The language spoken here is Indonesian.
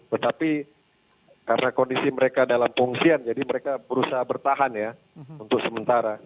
tetapi karena kondisi mereka dalam pengungsian jadi mereka berusaha bertahan ya untuk sementara